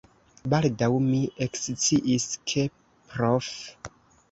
Baldaŭ mi eksciis, ke Prof.